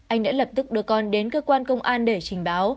anh đã lập tức đưa con đến cơ quan công an để trình báo